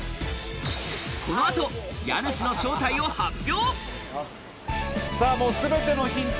この後、家主の正体を発表。